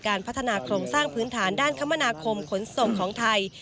พัฒนาโครงสร้างพื้นฐานด้านคมนาคมขนส่งของไทย